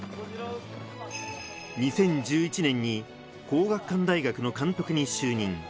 ２０１１年に皇學館大学の監督に就任。